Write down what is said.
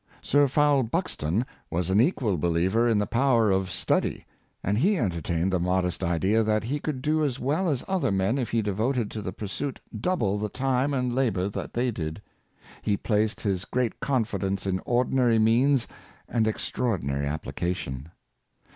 Sir Fowell Bux ton was an equal believer in the power of study; and he entertained the modest idea that he could do as well as other men if he devoted to the pursuit double the time and labor that they did. He placed his great con fidence in ordinary means and extraordinary applica tion.